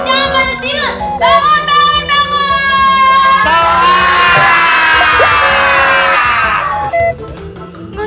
bangun bangun bangun